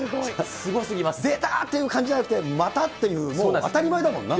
出たって感じじゃなくて、またという感じ、もう当たり前だもんな。